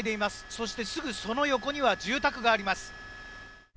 そして、すぐその横には住宅があります。